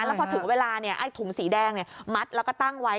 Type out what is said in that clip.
แล้วพอถึงเวลาไอ้ถุงสีแดงมัดแล้วก็ตั้งไว้